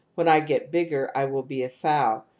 Wlien I get bigger I shall be a fowl.